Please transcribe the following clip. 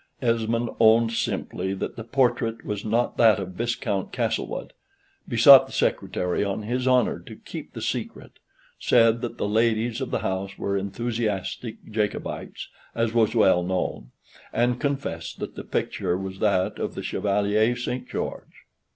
Esmond owned simply that the portrait was not that of Viscount Castlewood; besought the Secretary on his honor to keep the secret; said that the ladies of the house were enthusiastic Jacobites, as was well known; and confessed that the picture was that of the Chevalier St. George.